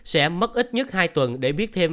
sẽ mất ít nhất hai tuần để biết thêm